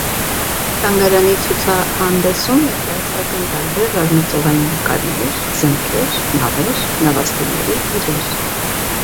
Թանգարանի ցուցահանդեսում ներկայացված են տարբեր ռազմածովային նկարներ, զենքեր, նավեր, նավաստիների իրեր։